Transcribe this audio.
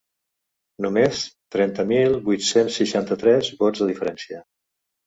Només trenta mil vuit-cents seixanta-tres vots de diferència.